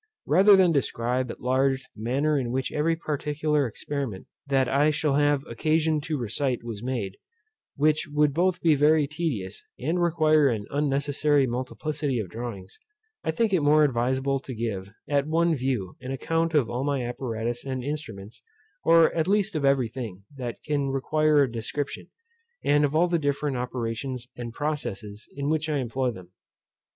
_ Rather than describe at large the manner in which every particular experiment that I shall have occasion to recite was made, which would both be very tedious, and require an unnecessary multiplicity of drawings, I think it more adviseable to give, at one view, an account of all my apparatus and instruments, or at least of every thing that can require a description, and of all the different operations and processes in which I employ them.